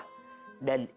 dan istighfar memudahkan hajj